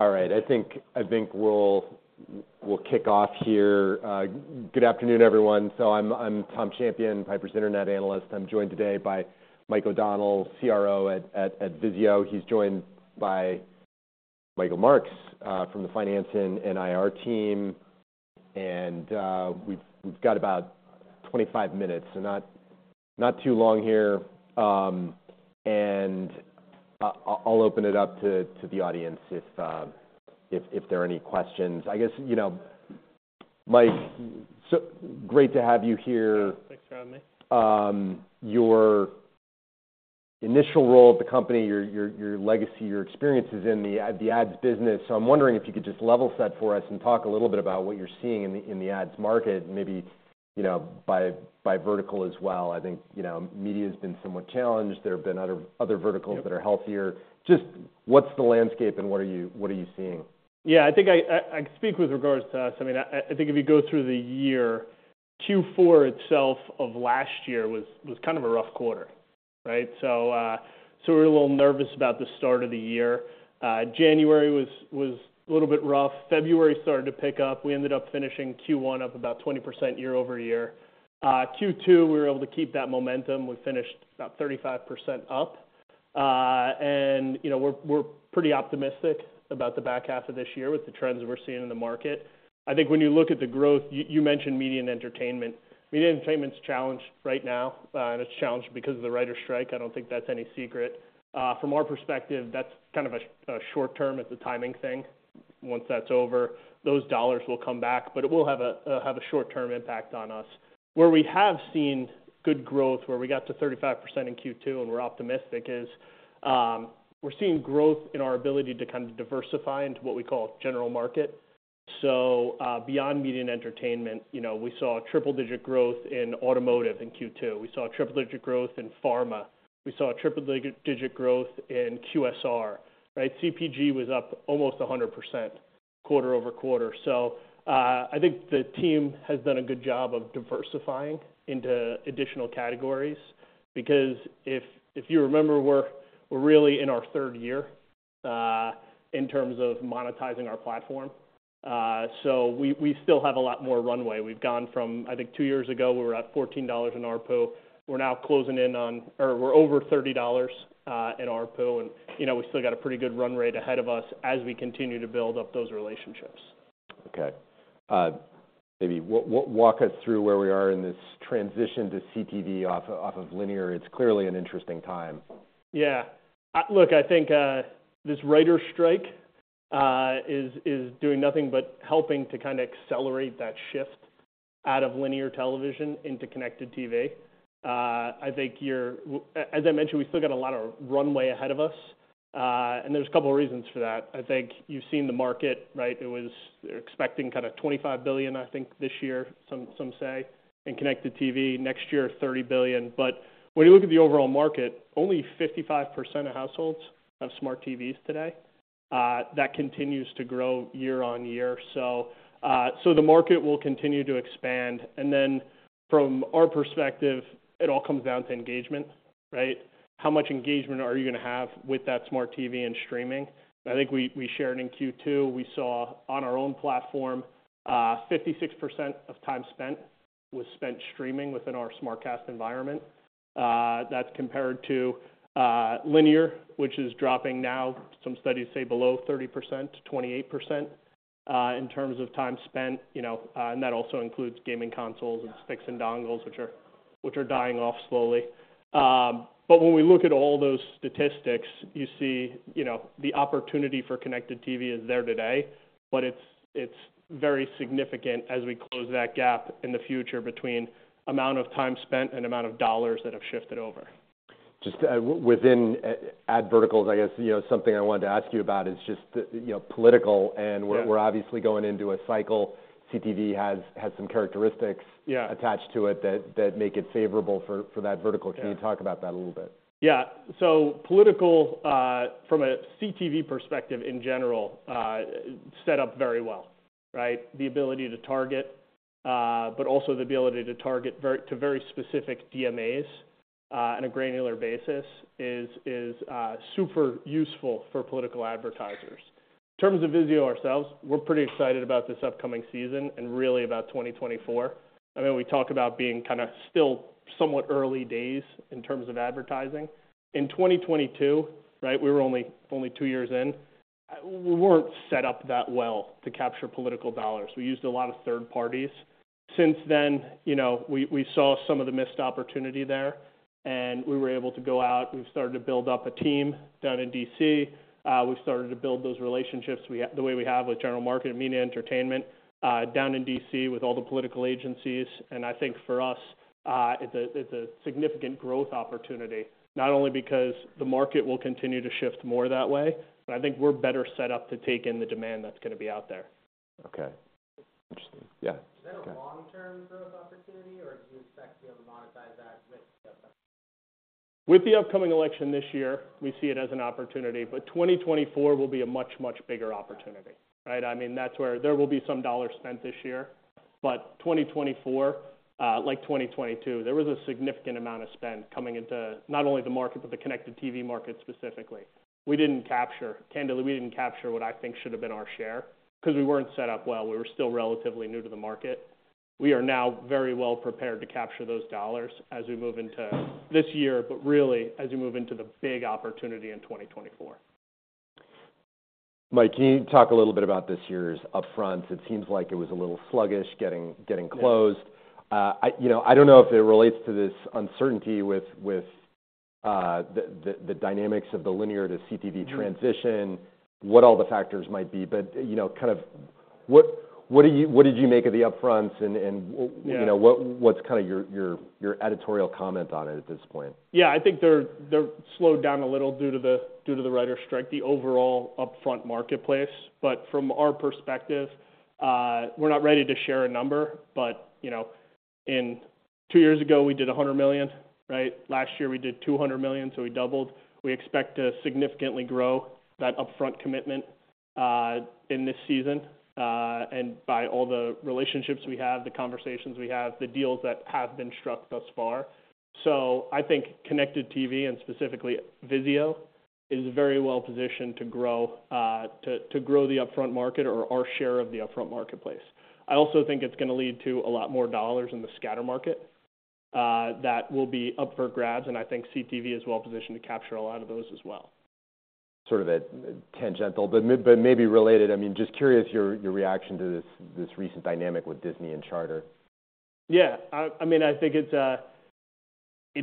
All right, I think we'll kick off here. Good afternoon, everyone. So I'm Tom Champion, Piper's internet analyst. I'm joined today by Mike O'Donnell, CRO at VIZIO. He's joined by Michael Marks from the finance and IR team. And we've got about 25 minutes, so not too long here. And I'll open it up to the audience if there are any questions. I guess, you know, Mike, so great to have you here. Yeah. Thanks for having me. Your initial role at the company, your legacy, your experience is in the ads business. So I'm wondering if you could just level set for us and talk a little bit about what you're seeing in the ads market, maybe, you know, by vertical as well. I think, you know, media's been somewhat challenged. There have been other verticals- Yeah That are healthier. Just, what's the landscape and what are you, what are you seeing? Yeah, I think I speak with regards to us. I mean, I think if you go through the year, Q4 itself of last year was kind of a rough quarter, right? So, so we're a little nervous about the start of the year. January was a little bit rough. February started to pick up. We ended up finishing Q1 up about 20% year-over-year. Q2, we were able to keep that momentum. We finished about 35% up. And, you know, we're pretty optimistic about the back half of this year with the trends we're seeing in the market. I think when you look at the growth, you mentioned media and entertainment. Media and entertainment is challenged right now, and it's challenged because of the writers' strike. I don't think that's any secret. From our perspective, that's kind of a short term; it's a timing thing. Once that's over, those dollars will come back, but it will have a short-term impact on us. Where we have seen good growth, where we got to 35% in Q2 and we're optimistic, is we're seeing growth in our ability to kind of diversify into what we call general market. So, beyond media and entertainment, you know, we saw triple-digit growth in automotive in Q2. We saw triple-digit growth in pharma. We saw triple-digit growth in QSR, right? CPG was up almost 100% quarter-over-quarter. So, I think the team has done a good job of diversifying into additional categories, because if you remember, we're really in our third year in terms of monetizing our platform. We still have a lot more runway. We've gone from, I think two years ago, we were at $14 in ARPU. We're now closing in on or we're over $30 in ARPU, and, you know, we still got a pretty good run rate ahead of us as we continue to build up those relationships. Okay. Maybe walk us through where we are in this transition to CTV off of linear. It's clearly an interesting time. Yeah. Look, I think this writers' strike is doing nothing but helping to kind of accelerate that shift out of linear television into connected TV. I think you're- as I mentioned, we've still got a lot of runway ahead of us, and there's a couple of reasons for that. I think you've seen the market, right? It was expecting kind of $25 billion, I think, this year, some say, in connected TV, next year, $30 billion. But when you look at the overall market, only 55% of households have smart TVs today. That continues to grow year on year. So the market will continue to expand. And then from our perspective, it all comes down to engagement, right? How much engagement are you going to have with that smart TV and streaming? I think we shared in Q2, we saw on our own platform, 56% of time spent was spent streaming within our SmartCast environment. That's compared to linear, which is dropping now, some studies say below 30%-28%, in terms of time spent, you know, and that also includes gaming consoles and sticks and dongles, which are dying off slowly. But when we look at all those statistics, you see, you know, the opportunity for connected TV is there today, but it's very significant as we close that gap in the future between amount of time spent and amount of dollars that have shifted over. Just, within, ad verticals, I guess, you know, something I wanted to ask you about is just the, you know, political- Yeah and we're obviously going into a cycle. CTV has some characteristics- Yeah attached to it that make it favorable for that vertical. Yeah. Can you talk about that a little bit? Yeah. So political from a CTV perspective in general set up very well, right? The ability to target, but also the ability to target to very specific DMAs on a granular basis is super useful for political advertisers. In terms of VIZIO ourselves, we're pretty excited about this upcoming season and really about 2024. I mean, we talk about being kind of still somewhat early days in terms of advertising. In 2022, right, we were only two years in, we weren't set up that well to capture political dollars. We used a lot of third parties. Since then, you know, we saw some of the missed opportunity there, and we were able to go out and we started to build up a team down in D.C. We started to build those relationships the way we have with general market, media, entertainment, down in D.C. with all the political agencies. And I think for us, it's a significant growth opportunity, not only because the market will continue to shift more that way, but I think we're better set up to take in the demand that's going to be out there. Okay. Interesting. Yeah. Is that a long-term growth opportunity, or do you expect to be able to monetize that with the- With the upcoming election this year, we see it as an opportunity, but 2024 will be a much, much bigger opportunity, right? I mean, that's where there will be some dollars spent this year, but 2024, like 2022, there was a significant amount of spend coming into not only the market, but the connected TV market specifically. We didn't capture candidly, we didn't capture what I think should have been our share 'cause we weren't set up well. We were still relatively new to the market. We are now very well prepared to capture those dollars as we move into this year, but really, as we move into the big opportunity in 2024. Mike, can you talk a little bit about this year's upfront? It seems like it was a little sluggish getting closed. Yeah. You know, I don't know if it relates to this uncertainty with the dynamics of the linear to CTV- Mm transition, what all the factors might be, but, you know, kind of what did you make of the upfronts and- Yeah You know, what's kind of your editorial comment on it at this point? Yeah, I think they're slowed down a little due to the writer strike, the overall upfront marketplace. But from our perspective, we're not ready to share a number, but, you know, two years ago, we did $100 million, right? Last year, we did $200 million, so we doubled. We expect to significantly grow that upfront commitment in this season, and by all the relationships we have, the conversations we have, the deals that have been struck thus far. So I think connected TV, and specifically VIZIO, is very well positioned to grow the upfront market or our share of the upfront marketplace. I also think it's gonna lead to a lot more dollars in the scatter market, that will be up for grabs, and I think CTV is well positioned to capture a lot of those as well. Sort of a tangential, but maybe related, I mean, just curious your reaction to this recent dynamic with Disney and Charter. Yeah, I mean, I think it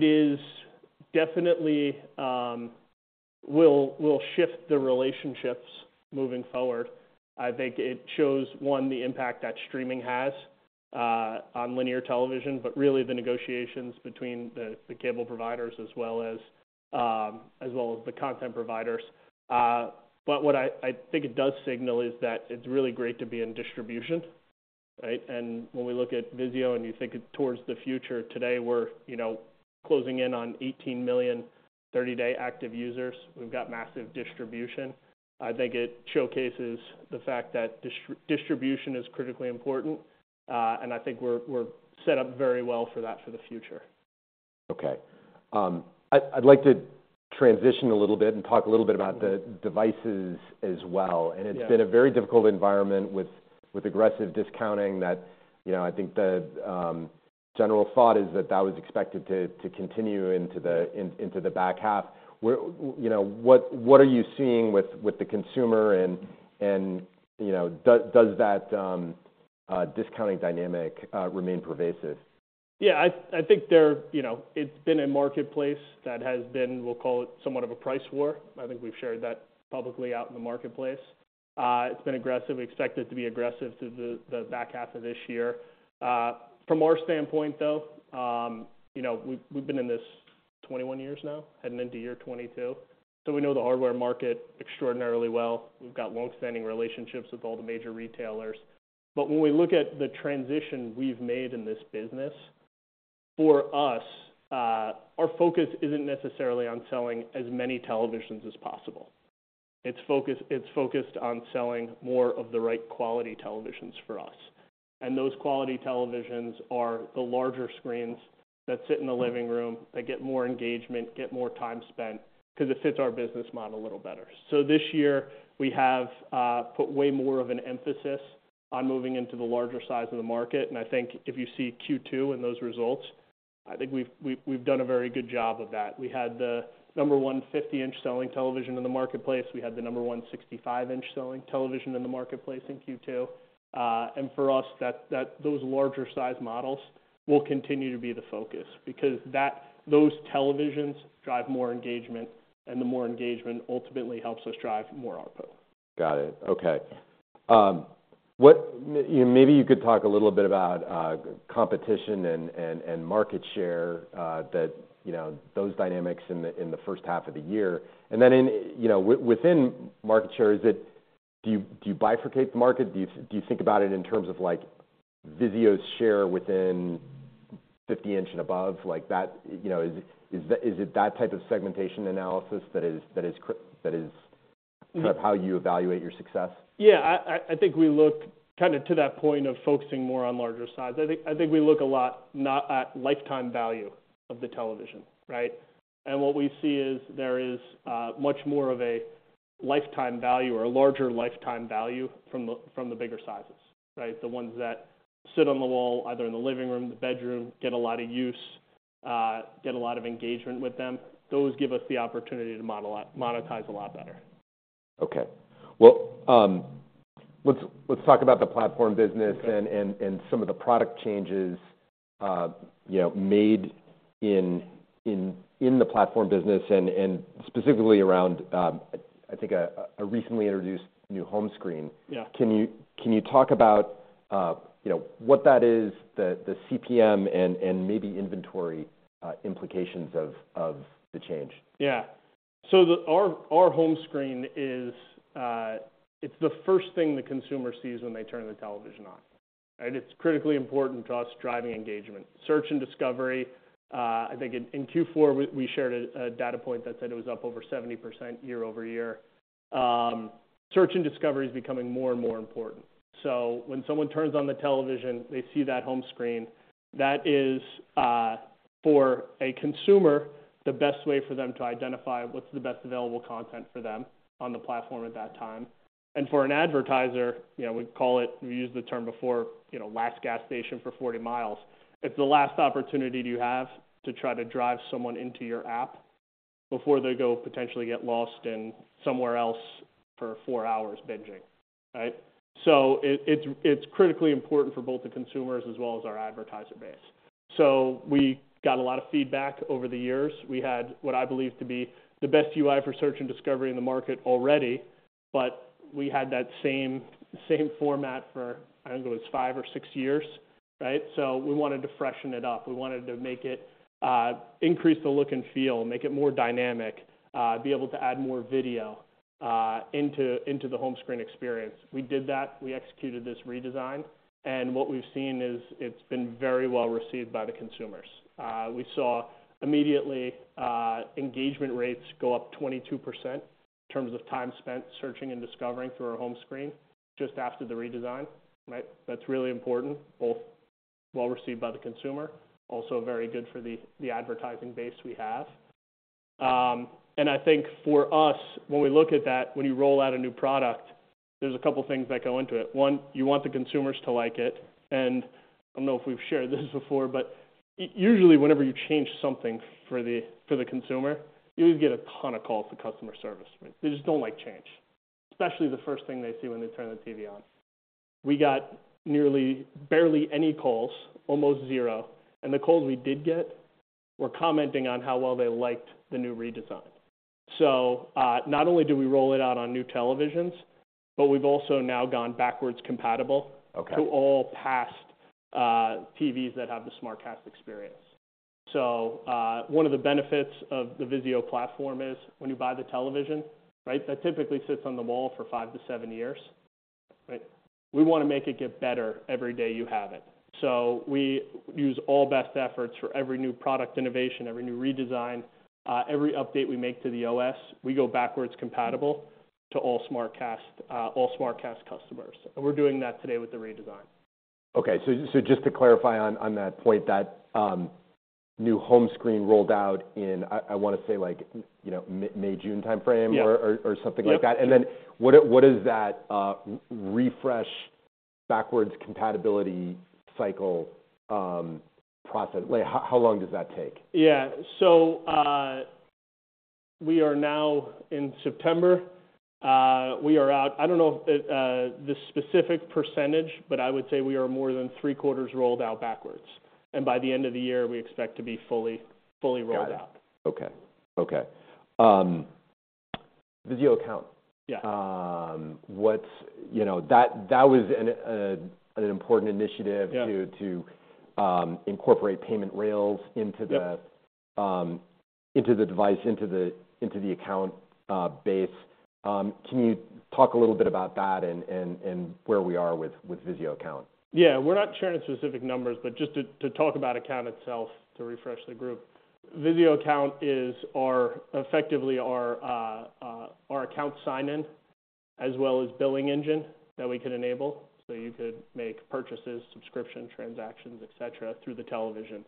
is definitely will shift the relationships moving forward. I think it shows, one, the impact that streaming has on linear television, but really the negotiations between the cable providers as well as the content providers. But what I think it does signal is that it's really great to be in distribution, right? And when we look at VIZIO and you think towards the future, today, we're, you know, closing in on 18 million thirty-day active users. We've got massive distribution. I think it showcases the fact that distribution is critically important, and I think we're set up very well for that for the future. Okay. I'd like to transition a little bit and talk a little bit about the devices as well. Yeah. It's been a very difficult environment with aggressive discounting that, you know, I think the general thought is that that was expected to continue into the back half. You know, what are you seeing with the consumer and, you know, does that discounting dynamic remain pervasive? Yeah, I think there, you know, it's been a marketplace that has been, we'll call it, somewhat of a price war. I think we've shared that publicly out in the marketplace. It's been aggressive. We expect it to be aggressive through the back half of this year. From our standpoint, though, you know, we've been in this 21 years now, heading into year 22, so we know the hardware market extraordinarily well. We've got long-standing relationships with all the major retailers. But when we look at the transition we've made in this business, for us, our focus isn't necessarily on selling as many televisions as possible. It's focused on selling more of the right quality televisions for us, and those quality televisions are the larger screens that sit in the living room, that get more engagement, get more time spent, 'cause it fits our business model a little better. So this year, we have put way more of an emphasis on moving into the larger size of the market, and I think if you see Q2 and those results, I think we've done a very good job of that. We had the number one 50-inch selling television in the marketplace. We had the number one 65-inch selling television in the marketplace in Q2. And for us, those larger size models will continue to be the focus because those televisions drive more engagement, and the more engagement ultimately helps us drive more output. Got it. Okay. Maybe you could talk a little bit about competition and market share, you know, those dynamics in the first half of the year. And then, you know, within market share, do you bifurcate the market? Do you think about it in terms of, like, VIZIO's share within 50-inch and above, like, that. You know, is it that type of segmentation analysis that is Mm-hmm Kind of how you evaluate your success? Yeah, I think we look kind of to that point of focusing more on larger size. I think we look a lot, not at lifetime value of the television, right? And what we see is there is much more of a lifetime value or a larger lifetime value from the bigger sizes, right? The ones that sit on the wall, either in the living room, the bedroom, get a lot of use, get a lot of engagement with them. Those give us the opportunity to monetize a lot better. Okay. Well, let's talk about the platform business and some of the product changes, you know, made in the platform business and specifically around, I think a recently introduced new home screen. Yeah. Can you talk about, you know, what that is, the CPM and maybe inventory implications of the change? Yeah. So our home screen is, it's the first thing the consumer sees when they turn the television on, right? It's critically important to us, driving engagement. Search and discovery, I think in Q4, we shared a data point that said it was up over 70% year-over-year. Search and discovery is becoming more and more important. So when someone turns on the television, they see that home screen. That is, for a consumer, the best way for them to identify what's the best available content for them on the platform at that time. And for an advertiser, you know, we'd call it, we've used the term before, you know, last gas station for 40 mi. It's the last opportunity you have to try to drive someone into your app before they go potentially get lost in somewhere else for four hours binging, right? So it's critically important for both the consumers as well as our advertiser base. So we got a lot of feedback over the years. We had what I believe to be the best UI for search and discovery in the market already, but we had that same, same format for, I don't know, it was five or six years, right? So we wanted to freshen it up. We wanted to make it increase the look and feel, make it more dynamic, be able to add more video into the home screen experience. We did that. We executed this redesign, and what we've seen is it's been very well received by the consumers. We saw immediately engagement rates go up 22% in terms of time spent searching and discovering through our home screen just after the redesign, right? That's really important, both well received by the consumer, also very good for the advertising base we have. And I think for us, when we look at that, when you roll out a new product, there's a couple things that go into it. One, you want the consumers to like it, and I don't know if we've shared this before, but usually whenever you change something for the consumer, you would get a ton of calls to customer service. They just don't like change, especially the first thing they see when they turn the TV on. We got nearly barely any calls, almost zero, and the calls we did get were commenting on how well they liked the new redesign. So, not only do we roll it out on new televisions, but we've also now gone backward compatible- Okay To all past TVs that have the SmartCast experience. So, one of the benefits of the VIZIO platform is when you buy the television, right? That typically sits on the wall for five to seven years, right? We wanna make it get better every day you have it. So we use all best efforts for every new product innovation, every new redesign, every update we make to the OS, we go backwards compatible to all SmartCast, all SmartCast customers. And we're doing that today with the redesign. Okay. So just to clarify on that point, that new home screen rolled out in, I wanna say, like, you know, May, June time frame- Yeah or something like that. Yeah. And then what is, what is that, refresh backwards compatibility cycle, process? Like, how, how long does that take? Yeah. So, we are now in September. We are out... I don't know, the specific percentage, but I would say we are more than three-quarters rolled out backwards, and by the end of the year, we expect to be fully, fully rolled out. Got it. Okay. Okay. VIZIO Account. Yeah. You know, that was an important initiative- Yeah To incorporate payment rails into the- Yeah Into the device, into the account base. Can you talk a little bit about that and where we are with VIZIO account? Yeah. We're not sharing specific numbers, but just to talk about account itself, to refresh the group. VIZIO Account is our, effectively our, our account sign-in, as well as billing engine that we can enable. So you could make purchases, subscription, transactions, et cetera, through the television.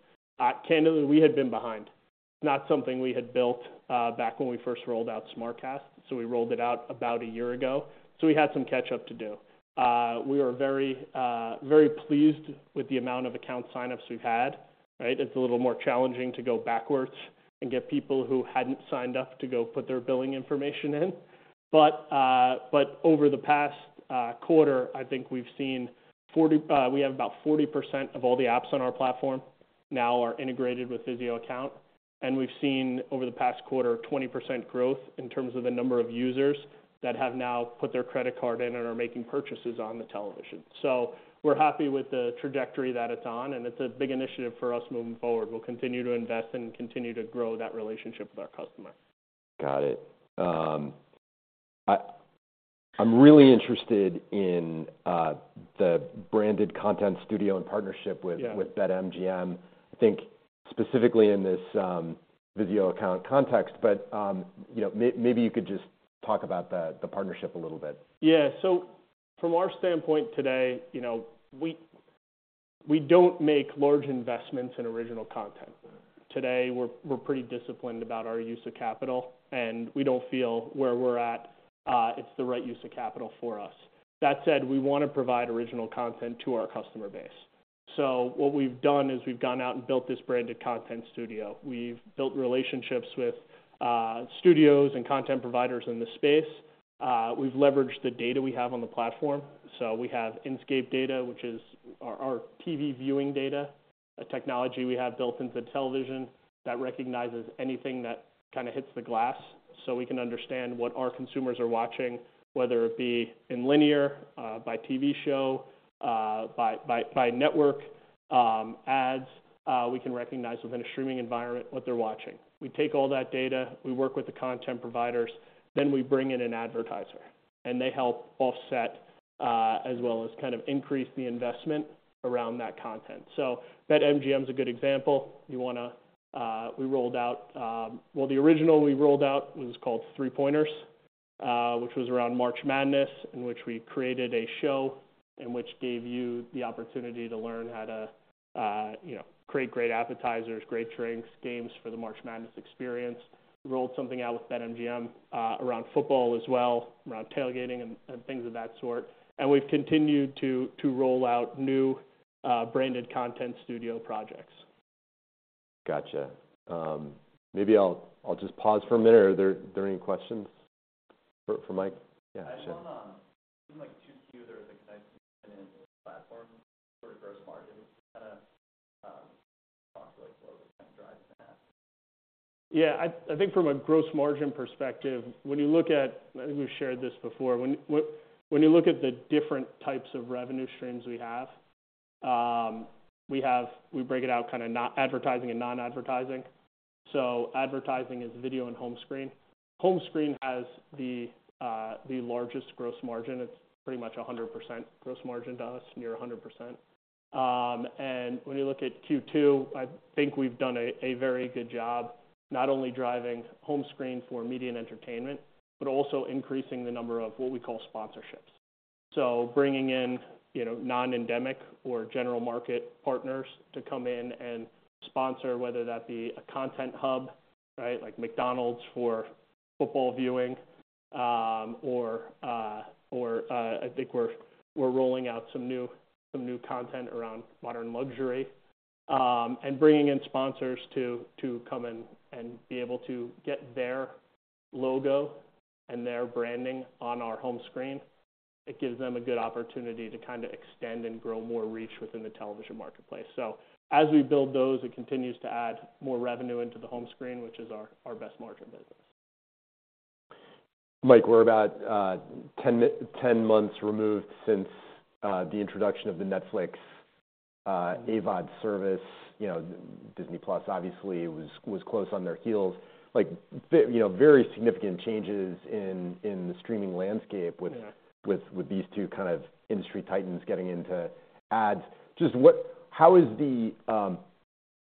Candidly, we had been behind. Not something we had built back when we first rolled out SmartCast, so we rolled it out about a year ago, so we had some catch up to do. We were very, very pleased with the amount of account sign-ups we've had, right? It's a little more challenging to go backwards and get people who hadn't signed up to go put their billing information in. But over the past quarter, I think we've seen 40, we have about 40% of all the apps on our platform now are integrated with VIZIO Account. And we've seen over the past quarter, 20% growth in terms of the number of users that have now put their credit card in and are making purchases on the television. So we're happy with the trajectory that it's on, and it's a big initiative for us moving forward. We'll continue to invest and continue to grow that relationship with our customer. Got it. I'm really interested in the branded content studio and partnership with- Yeah With BetMGM. I think specifically in this VIZIO account context, but, you know, maybe you could just talk about the partnership a little bit. Yeah. So from our standpoint today, you know, we don't make large investments in original content. Today, we're pretty disciplined about our use of capital, and we don't feel where we're at, it's the right use of capital for us. That said, we want to provide original content to our customer base. So what we've done is we've gone out and built this branded content studio. We've built relationships with studios and content providers in the space. We've leveraged the data we have on the platform. So we have Inscape data, which is our TV viewing data, a technology we have built into the television that recognizes anything that kinda hits the glass, so we can understand what our consumers are watching, whether it be in linear, by TV show, by network, ads, we can recognize within a streaming environment what they're watching. We take all that data, we work with the content providers, then we bring in an advertiser... and they help offset, as well as kind of increase the investment around that content. So BetMGM is a good example. You wanna, we rolled out... Well, the original we rolled out was called Three Pointers, which was around March Madness, in which we created a show in which gave you the opportunity to learn how to, you know, create great appetizers, great drinks, games for the March Madness experience. We rolled something out with BetMGM, around football as well, around tailgating and things of that sort. And we've continued to roll out new, branded content studio projects. Gotcha. Maybe I'll just pause for a minute. Are there any questions for Mike? Yeah, sure. I have one. It seemed like Q2, there was a nice platform for gross margin. Kind of, talk to like what was kind of driving that. Yeah, I think from a gross margin perspective, when you look at, I think we've shared this before. When you look at the different types of revenue streams we have, we have, we break it out, kind of, advertising and non-advertising. So advertising is video and home screen. Home screen has the largest gross margin. It's pretty much 100% gross margin to us, near 100%. And when you look at Q2, I think we've done a very good job, not only driving home screen for media and entertainment, but also increasing the number of what we call sponsorships. So bringing in, you know, non-endemic or general market partners to come in and sponsor, whether that be a content hub, right? Like McDonald's for football viewing, I think we're rolling out some new content around Modern Luxury. And bringing in sponsors to come and be able to get their logo and their branding on our home screen. It gives them a good opportunity to kind of extend and grow more reach within the television marketplace. So as we build those, it continues to add more revenue into the home screen, which is our best margin business. Mike, we're about 10 months removed since the introduction of the Netflix AVOD service. You know, Disney+ obviously was close on their heels. Like, you know, very significant changes in the streaming landscape- Yeah With these two kind of industry titans getting into ads. Just what- how is the,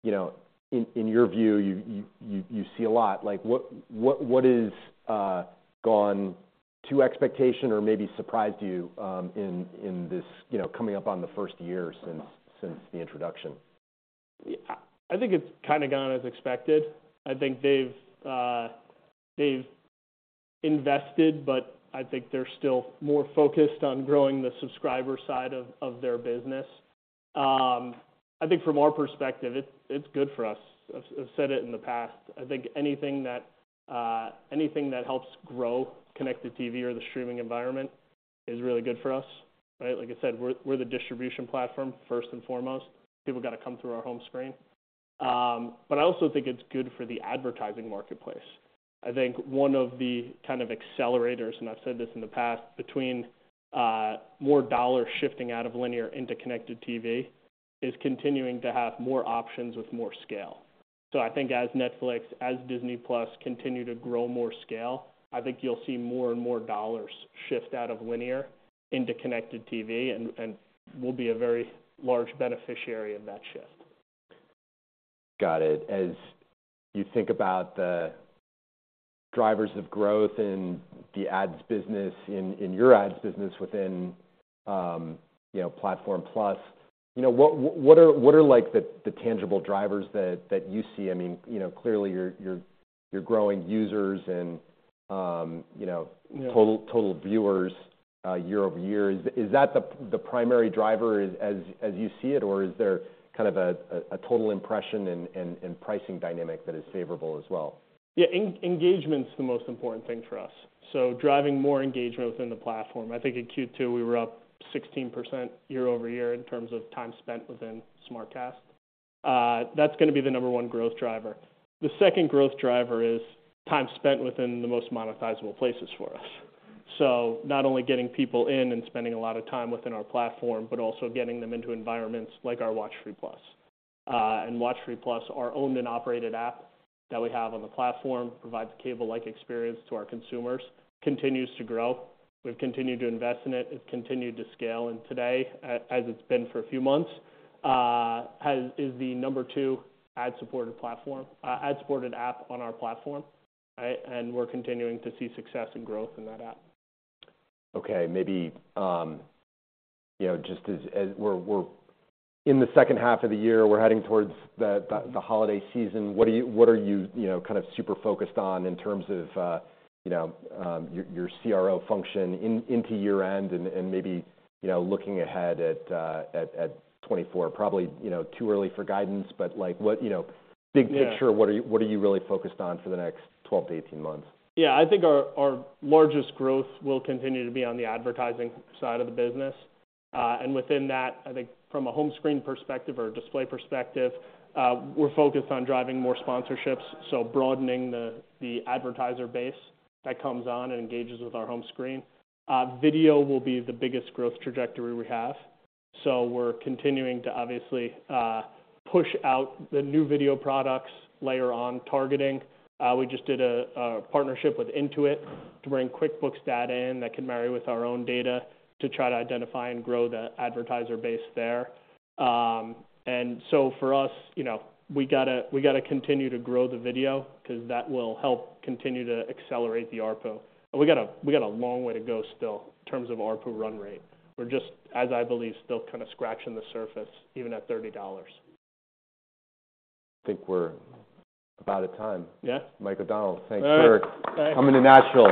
you know, in your view, you see a lot, like, what is gone to expectation or maybe surprised you, in this, you know, coming up on the first year since the introduction? Yeah, I think it's kind of gone as expected. I think they've invested, but I think they're still more focused on growing the subscriber side of their business. I think from our perspective, it's good for us. I've said it in the past, I think anything that helps grow connected TV or the streaming environment is really good for us, right? Like I said, we're the distribution platform first and foremost. People got to come through our home screen. But I also think it's good for the advertising marketplace. I think one of the kind of accelerators, and I've said this in the past, between more dollars shifting out of linear into connected TV, is continuing to have more options with more scale. I think as Netflix, as Disney+ continue to grow more scale, I think you'll see more and more dollars shift out of linear into Connected TV and we'll be a very large beneficiary of that shift. Got it. As you think about the drivers of growth in the ads business, in your ads business within, you know, Platform+, you know, what are like the tangible drivers that you see? I mean, you know, clearly, you're growing users and, you know- Yeah Total viewers year over year. Is that the primary driver as you see it? Or is there kind of a total impression and pricing dynamic that is favorable as well? Yeah, engagement's the most important thing for us, so driving more engagement within the platform. I think in Q2, we were up 16% year-over-year in terms of time spent within SmartCast. That's gonna be the number one growth driver. The second growth driver is time spent within the most monetizable places for us. So not only getting people in and spending a lot of time within our platform, but also getting them into environments like our WatchFree+. And WatchFree+, our owned and operated app that we have on the platform, provides a cable-like experience to our consumers, continues to grow. We've continued to invest in it. It's continued to scale, and today, as it's been for a few months, is the number two ad-supported platform, ad-supported app on our platform, right? We're continuing to see success and growth in that app. Okay. Maybe, you know, just as we're in the second half of the year, we're heading towards the holiday season. What are you, you know, kind of super focused on in terms of, you know, your CRO function into year-end and, maybe, you know, looking ahead at 2024? Probably, you know, too early for guidance, but, like, what. You know, big picture- Yeah What are you, what are you really focused on for the next 12-18 months? Yeah. I think our largest growth will continue to be on the advertising side of the business. And within that, I think from a home screen perspective or display perspective, we're focused on driving more sponsorships, so broadening the advertiser base that comes on and engages with our home screen. Video will be the biggest growth trajectory we have, so we're continuing to obviously push out the new video products, layer on targeting. We just did a partnership with Intuit to bring QuickBooks data in that can marry with our own data to try to identify and grow the advertiser base there. And so for us, you know, we gotta continue to grow the video, 'cause that will help continue to accelerate the ARPU. We got a long way to go still in terms of ARPU run rate. We're just, as I believe, still kind of scratching the surface, even at $30. I think we're about at time. Yeah? Mike O'Donnell, thank you, sir. All right. Thanks. Coming to Nashville.